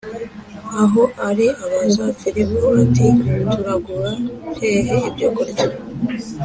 aho ari abaza Filipo ati Turagura hehe ibyokurya